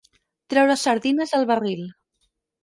Treure sardines del barril.